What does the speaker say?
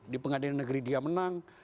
di pengadilan negeri dia menang